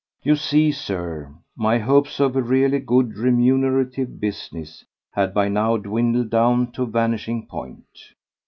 ..." You see, Sir, my hopes of a really good remunerative business had by now dwindled down to vanishing point.